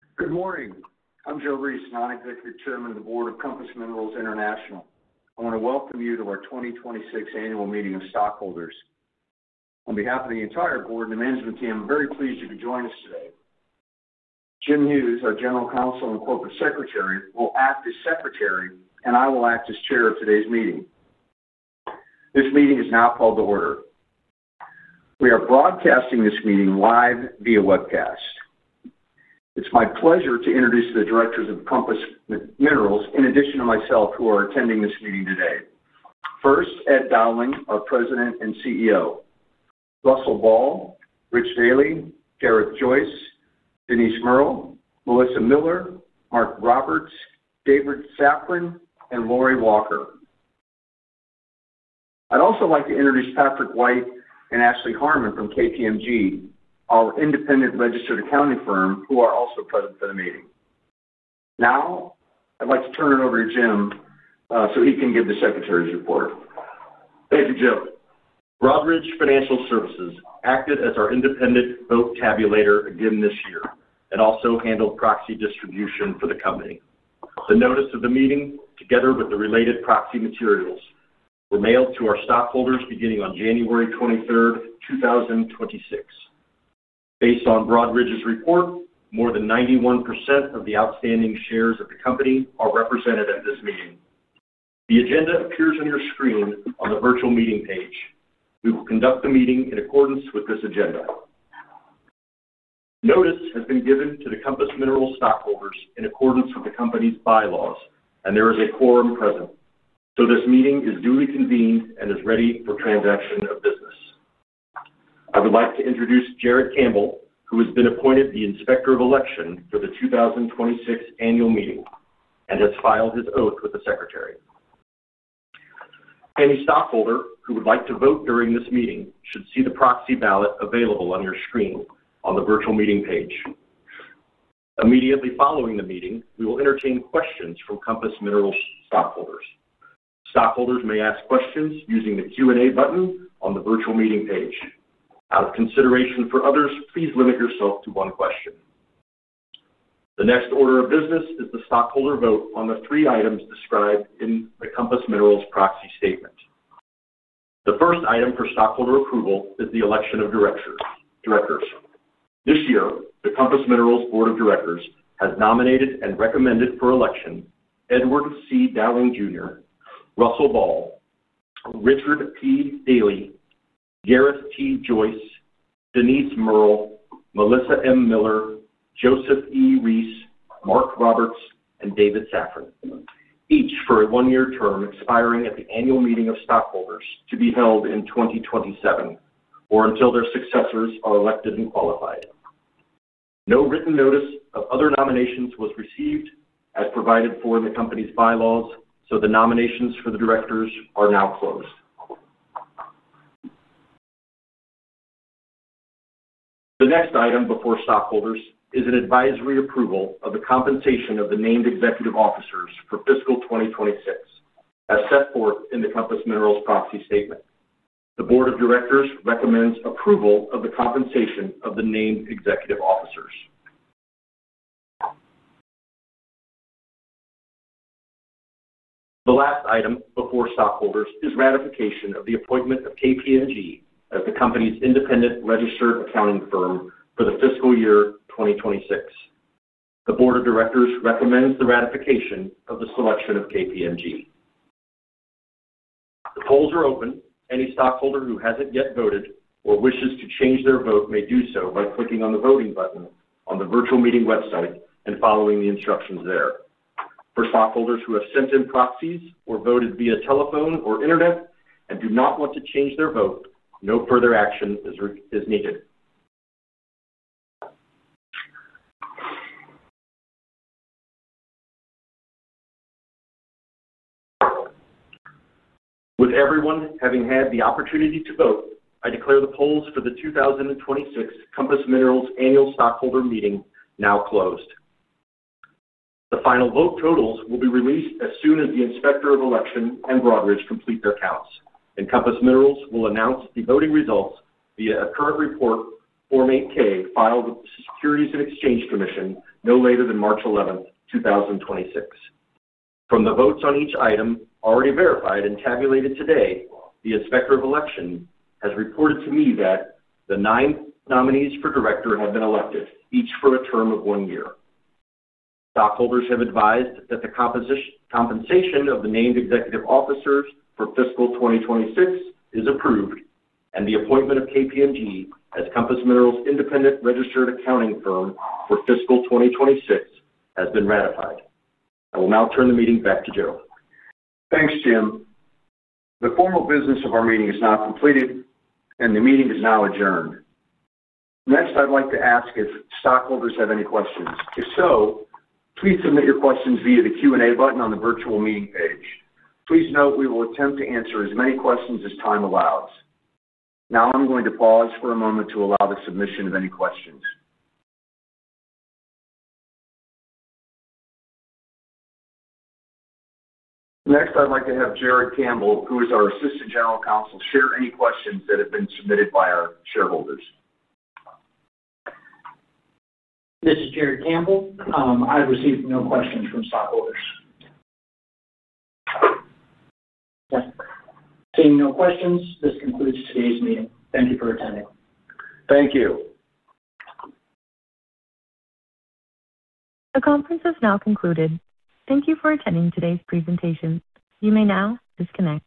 Good morning. I'm Joe Reece and I'm Executive Chairman of the Board of Compass Minerals International. I wanna welcome you to our 2026 Annual Meeting of Stockholders. On behalf of the entire board and the management team, I'm very pleased you could join us today. Jim Hughes, our General Counsel and Corporate Secretary, will act as Secretary, and I will act as Chair of today's meeting. This meeting is now called to order. We are broadcasting this meeting live via webcast. It's my pleasure to introduce the directors of Compass Minerals, in addition to myself, who are attending this meeting today. First, Ed Dowling, our President and CEO. Russell Ball, Rich Dealy, Gareth Joyce, Denise Merle, Melissa Miller, Mark Roberts, David Safran, and Lori Walker. I'd also like to introduce Patrick White and Ashley Harmon from KPMG, our independent registered accounting firm, who are also present for the meeting. I'd like to turn it over to Jim, so he can give the Secretary's report. Thank you, Joe. Broadridge Financial Solutions acted as our independent vote tabulator again this year and also handled proxy distribution for the company. The notice of the meeting, together with the related proxy materials, were mailed to our stockholders beginning on January 23rd, 2026. Based on Broadridge's report, more than 91% of the outstanding shares of the company are represented at this meeting. The agenda appears on your screen on the virtual meeting page. We will conduct the meeting in accordance with this agenda. Notice has been given to the Compass Minerals stockholders in accordance with the company's bylaws, and there is a quorum present, so this meeting is duly convened and is ready for transaction of business. I would like to introduce Jared Campbell, who has been appointed the Inspector of Election for the 2026 annual meeting and has filed his oath with the Secretary. Any stockholder who would like to vote during this meeting should see the proxy ballot available on your screen on the virtual meeting page. Immediately following the meeting, we will entertain questions from Compass Minerals stockholders. Stockholders may ask questions using the Q&A button on the virtual meeting page. Out of consideration for others, please limit yourself to one question. The next order of business is the stockholder vote on the three items described in the Compass Minerals proxy statement. The first item for stockholder approval is the election of directors. This year, the Compass Minerals Board of Directors has nominated and recommended for election Edward C. Dowling Jr., Russell Ball, Richard P. Dealy, Gareth T. Joyce, Denise Merle, Melissa M. Miller, Joseph E. Reece, Mark Roberts, and David Safran, each for a one-year term expiring at the annual meeting of stockholders to be held in 2027 or until their successors are elected and qualified. No written notice of other nominations was received as provided for in the company's bylaws, so the nominations for the directors are now closed. The next item before stockholders is an advisory approval of the compensation of the named executive officers for fiscal 2026, as set forth in the Compass Minerals proxy statement. The board of directors recommends approval of the compensation of the named executive officers. The last item before stockholders is ratification of the appointment of KPMG as the company's independent registered accounting firm for the fiscal year 2026. The board of directors recommends the ratification of the selection of KPMG. The polls are open. Any stockholder who hasn't yet voted or wishes to change their vote may do so by clicking on the voting button on the virtual meeting website and following the instructions there. For stockholders who have sent in proxies or voted via telephone or internet and do not want to change their vote, no further action is needed. With everyone having had the opportunity to vote, I declare the polls for the 2026 Compass Minerals annual stockholder meeting now closed. The final vote totals will be released as soon as the Inspector of Election and Broadridge complete their counts, and Compass Minerals will announce the voting results via a current report Form 8-K filed with the Securities and Exchange Commission no later than March 11th, 2026. From the votes on each item already verified and tabulated today, the Inspector of Election has reported to me that the nine nominees for director have been elected, each for a term of one year. Stockholders have advised that the compensation of the named executive officers for fiscal 2026 is approved, and the appointment of KPMG as Compass Minerals' independent registered accounting firm for fiscal 2026 has been ratified. I will now turn the meeting back to Joe. Thanks, Jim. The formal business of our meeting is now completed, and the meeting is now adjourned. I'd like to ask if stockholders have any questions. If so, please submit your questions via the Q&A button on the virtual meeting page. Please note we will attempt to answer as many questions as time allows. I'm going to pause for a moment to allow the submission of any questions. I'd like to have Jared Campbell, who is our Assistant General Counsel, share any questions that have been submitted by our shareholders. This is Jared Campbell. I've received no questions from stockholders. Yeah. Seeing no questions, this concludes today's meeting. Thank you for attending. Thank you. The conference has now concluded. Thank you for attending today's presentation. You may now disconnect.